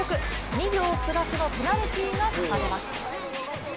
２秒プラスのペナルティーが課されます。